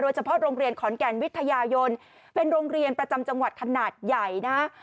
เฉพาะโรงเรียนขอนแก่นวิทยายนเป็นโรงเรียนประจำจังหวัดขนาดใหญ่นะฮะ